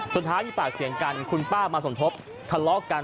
สุดท้ายมีปากเสียงกันคุณป้ามาสมทบทะเลาะกัน